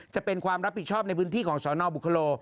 จะเป็นความรับผิดชอบในพื้นที่ของสนบุคโล